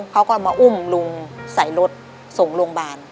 เขาก็มาอุ้มลุงใส่รถส่งโรงพยาบาล